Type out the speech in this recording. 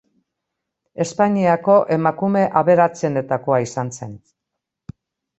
Espainiako emakume aberatsenetakoa izan zen.